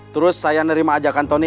terus saya nerima ajakan tony